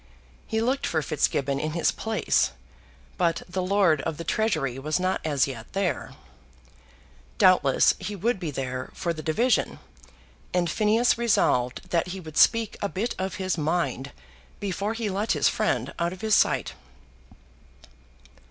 He looked for Fitzgibbon in his place, but the Lord of the Treasury was not as yet there. Doubtless he would be there for the division, and Phineas resolved that he would speak a bit of his mind before he let his friend out of his sight.